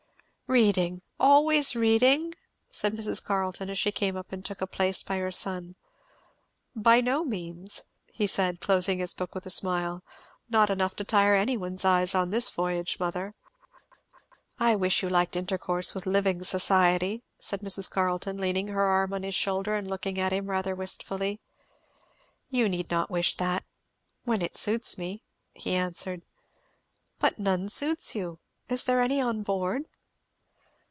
"Reading! always reading?" said Mrs. Carleton, as she came up and took a place by her son. "By no means!" he said, closing his book with a smile; "not enough to tire any one's eyes on this voyage, mother." "I wish you liked intercourse with living society," said Mrs. Carleton, leaning her arm on his shoulder and looking at him rather wistfully. "You need not wish that, when it suits me," he answered. "But none suits you. Is there any on board?"